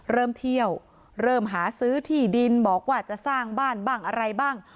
เริ่มเที่ยวเริ่มหาซื้อที่ดินบอกว่าจะสร้างบ้านบ้างอะไรบ้าง